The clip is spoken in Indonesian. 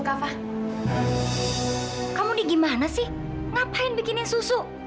kava kamu di gimana sih ngapain bikinin susu